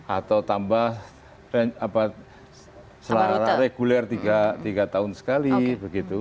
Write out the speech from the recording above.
atau tambah selaras reguler tiga tahun sekali begitu